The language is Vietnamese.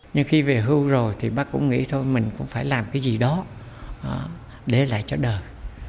nhưng khi về hưu rồi thì bác cũng nghĩ thôi mình cũng phải làm cái gì đó để lại cho đời